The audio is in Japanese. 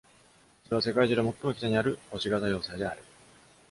それは、世界中で最も北にある星形要塞である。